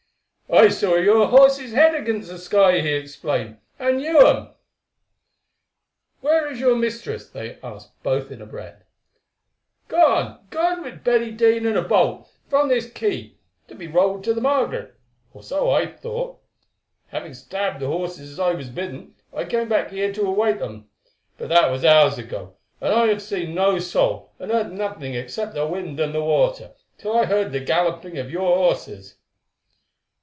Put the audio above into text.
"I saw your horses' heads against the sky," he explained, "and knew them." "Where is your mistress?" they asked both in a breath. "Gone, gone with Betty Dene in a boat, from this quay, to be rowed to the Margaret, or so I thought. Having stabled the horses as I was bidden, I came back here to await them. But that was hours ago, and I have seen no soul, and heard nothing except the wind and the water, till I heard the galloping of your horses."